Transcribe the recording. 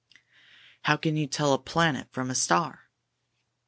''How can you tell a planet from a star?"